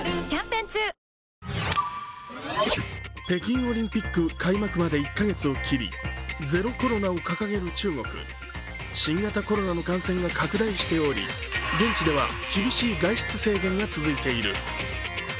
北京オリンピック開幕まで１カ月を切り、ゼロコロナを掲げる中国新型コロナの感染が拡大しており現地では厳しい外出制限が続いている。